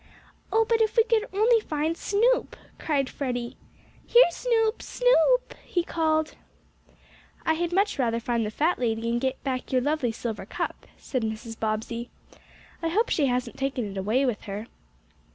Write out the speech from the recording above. "Oh, but if we could only find Snoop!" cried Freddie. "Here, Snoop! Snoop!" he called. "I had much rather find the fat lady, and get back your lovely silver cup," said Mrs. Bobbsey. "I hope she hasn't taken it away with her."